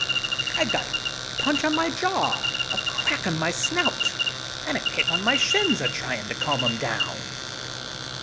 I got a punch on my jaw, a crack on my snout, and a kick on my shins a tryin' to calm him down!"